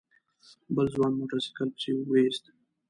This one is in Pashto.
بل ځوان موټر سايکل پسې ويست.